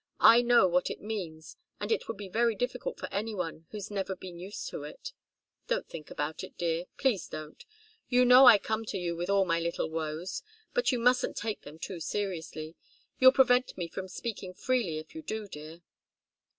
I know what it means, and it would be very difficult for any one who's never been used to it. Don't think about it, dear. Please don't. You know I come to you with all my little woes but you mustn't take them too seriously. You'll prevent me from speaking freely if you do, dear."